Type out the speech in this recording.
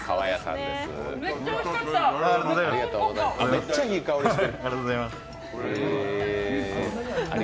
めっちゃいい香りして。